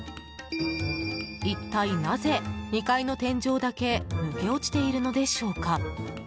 一体なぜ２階の天井だけ抜け落ちているのでしょうか？